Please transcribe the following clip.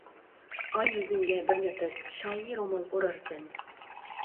ئاي يۈزۈڭگە بىر نەپەس، شايى رومال ئورارسەن.